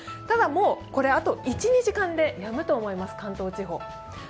ただ、もうこれはあと１２時間でやむと思います、関東地方。